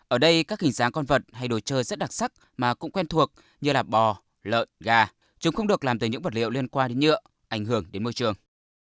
ở đây các hình dáng con vật hay đồ chơi rất đặc sắc mà cũng quen thuộc như là bò lợn gà chúng không được làm từ những vật liệu liên quan đến nhựa ảnh hưởng đến môi trường